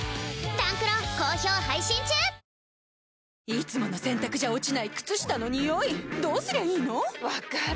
いつもの洗たくじゃ落ちない靴下のニオイどうすりゃいいの⁉分かる。